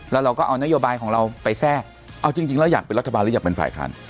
แล้วเราก็เอานโยบายของเราไปแทรกเอาจริงแล้วอยากเป็นรัฐบาลหรืออยากเป็นฝ่ายค้าน